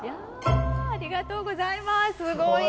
ありがとうございます。